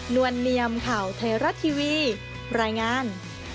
วลเนียมข่าวไทยรัฐทีวีรายงาน